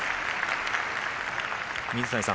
水谷さん